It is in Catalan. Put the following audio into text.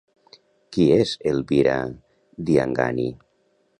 Qui és Elvira Dyangani?